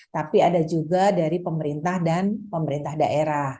tapi ada juga dari pemerintah dan pemerintah daerah